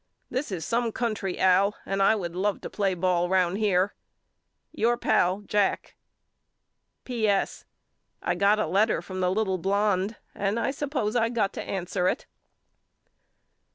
This is some country Al and I would love to play ball round here. Your Pal, JACK. P. S. I got a letter from the little blonde and I suppose I got to answer it.